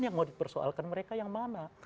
yang mau dipersoalkan mereka yang mana